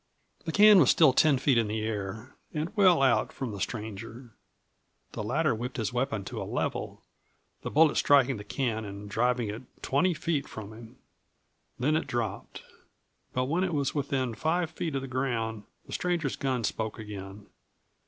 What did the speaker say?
The can was still ten feet in the air and well out from the stranger. The latter whipped his weapon to a level, the bullet striking the can and driving it twenty feet from him. Then it dropped. But when it was within five feet of the ground the stranger's gun spoke again.